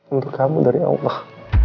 untuk kamu dari allah